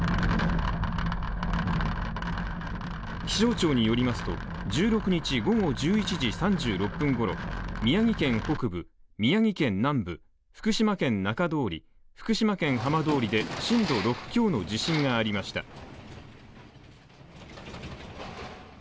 気象庁によりますと１６日午後１１時３６分頃、宮城県北部宮城県南部、福島県中通り、福島県浜通りで震度６強の地震がありました。